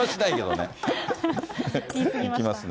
いきますね。